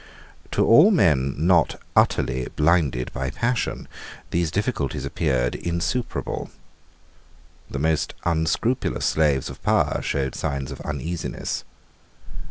To all men not utterly blinded by passion these difficulties appeared insuperable. The most unscrupulous slaves of power showed signs of uneasiness.